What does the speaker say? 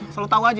selalu tau aja